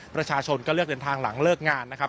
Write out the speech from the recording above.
ประชาชนก็เลือกเดินทางหลังเลิกงานนะครับ